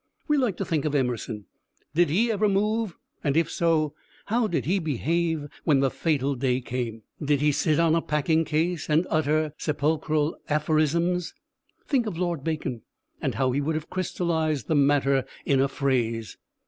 We like to think of Emerson: did he ever move, and if so, how did he behave when the fatal day came? Did he sit on a packing case and utter sepulchral aphorisms? Think of Lord Bacon and how he would have crystallized the matter in a phrase.